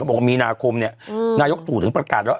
บอกว่ามีนาคมเนี่ยนายกตู่ถึงประกาศแล้ว